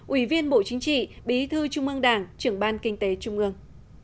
ủy viên bộ chính trị bí thư trung ương đảng trưởng ban kinh tế trung ương